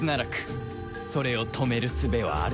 それを止めるすべはあるのか